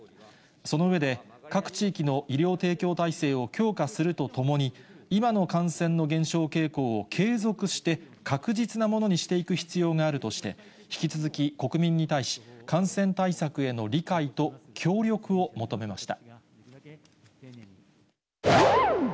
その上で、各地域の医療提供体制を強化するとともに、今の感染の減少傾向を継続して、確実なものにしていく必要があるとして、引き続き国民に対し、感染対策への理解と協力を求めました。